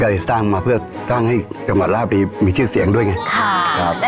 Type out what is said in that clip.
สร้างมาเพื่อสร้างให้จังหวัดลาบไปมีชื่อเสียงด้วยไงค่ะครับ